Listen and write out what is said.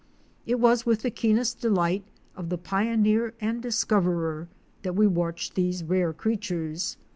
It was with the keenest delight of the pioneer and dis coverer that we watched these rare creatures.